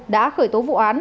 đã khởi tố vụ án